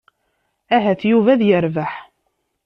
Ahat Yuba ad yerbeḥ.